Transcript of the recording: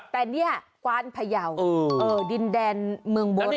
แต่นี่กวานพายาวดินแดนเมืองโบราณ